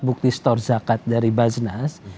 bukti stor zakat dari basnas